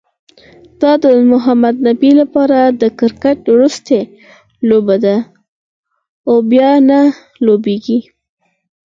دا د محمد نبي لپاره د کرکټ وروستۍ لوبه ده، او بیا نه لوبیږي